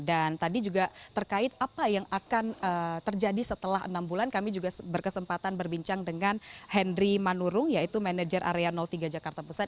dan tadi juga terkait apa yang akan terjadi setelah enam bulan kami juga berkesempatan berbincang dengan henry manurung yaitu manajer area tiga jakarta pusat